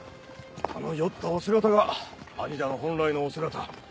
あの酔ったお姿が兄者の本来のお姿。